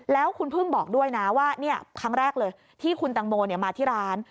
แล้วคุณพึ่งบอกด้วยนะว่าครั้งแรกเลยที่คุณตังโมมาที่ร้าน